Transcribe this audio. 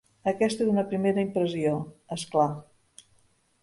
Aquesta és una primera impressió, és clar.